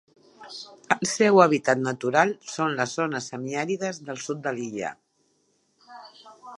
El seu hàbitat natural són les zones semiàrides del sud de l'illa.